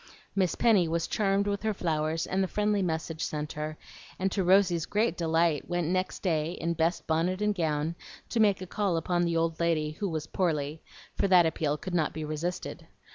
Miss Penny was charmed with her flowers and the friendly message sent her, and to Rosy's great delight went next day, in best bonnet and gown, to make a call upon the old lady "who was poorly," for that appeal could not be resisted.